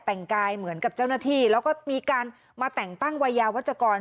แต่งกายเหมือนกับเจ้าหน้าที่แล้วก็มีการมาแต่งตั้งวัยยาวัชกร